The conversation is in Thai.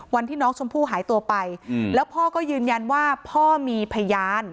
วันที่น้องชมพู่หายตัวไปแล้วพ่อก็ยืนยันว่าพ่อมีพยาน